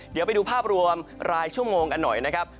เดี๋ยวไปดูภาพรวมรายชั่วโมงกันหน่อยนะครับ